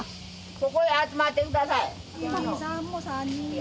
ここへ集まってください！